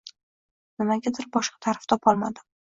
Nimagadir boshqa taʼrif topa olmadim.